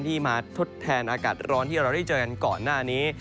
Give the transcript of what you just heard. ที่มาทดแทนอากาศร้อนที่เราได้เจอกันก่อนหน้านี้